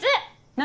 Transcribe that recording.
何？